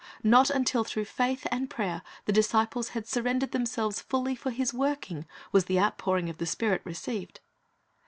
Not until through faith and prayer the disciples had surrendered themselves fully for His working, was the outpouring of the Spirit received.